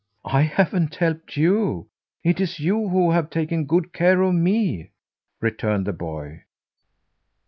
"I haven't helped you; it is you who have taken good care of me," returned the boy.